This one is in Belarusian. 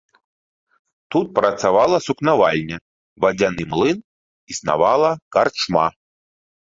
Тут працавала сукнавальня, вадзяны млын, існавала карчма.